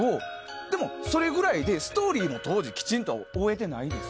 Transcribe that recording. でも、それぐらいでストーリーもきちんと追えてないんです。